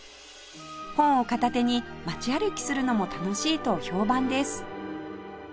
本を片手に町歩きするのも楽しいと評判です